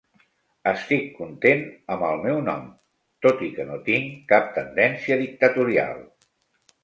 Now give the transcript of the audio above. Estic content amb el meu nom, tot i que no tinc cap tendència dictatorial.